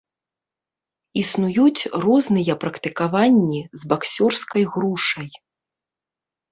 Існуюць розныя практыкаванні з баксёрскай грушай.